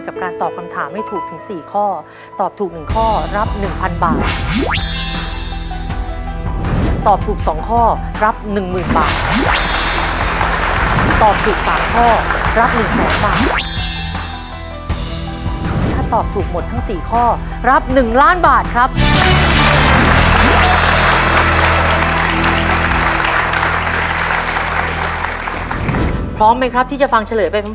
พร้อมไหมครับที่จะฟังเฉลยไปพร้อมกัน